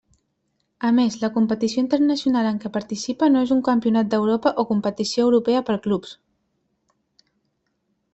A més, la competició internacional en què participa no és un campionat d'Europa o competició europea per clubs.